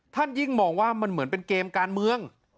ยิ่งมองว่ามันเหมือนเป็นเกมการเมือง